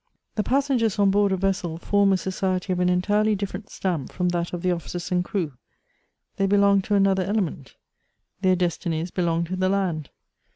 The passengers on board a vessel form a society of an entirely different stamp from that of the officers and crew ; they belong to another element ; their destinies belong to the land.